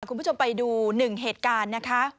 คุณผู้ชมไปดูหนึ่งเหตุการณ์นะคะ